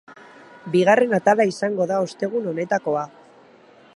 Bigarren atala izango da ostegun honetakoa.